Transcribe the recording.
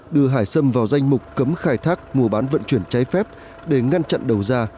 đưa hải xâm vào danh mục cấm khai thác mua bán vận chuyển trái phép để ngăn chặn đầu ra